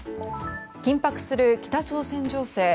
緊迫する北朝鮮情勢。